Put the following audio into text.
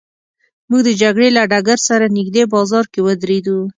موږ د جګړې له ډګر سره نږدې بازار کې ودرېدو.